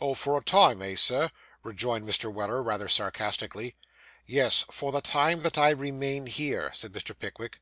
'Oh, for a time, eh, sir?' rejoined Mr. Weller rather sarcastically. 'Yes, for the time that I remain here,' said Mr. Pickwick.